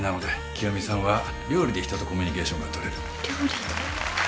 清美さんは料理で人とコミュニケーションが取れる」「料理で」